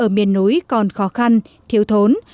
xã hội ở miền núi còn khó khăn thiếu thốn